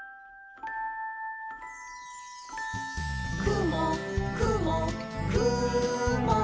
「くもくもくも」